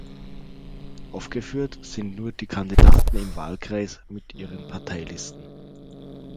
Aufgeführt sind nur die Kandidaten im Wahlkreis mit ihren Parteilisten.